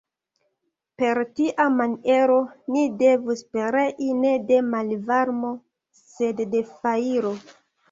Per tia maniero ni devus perei ne de malvarmo, sed de fajro.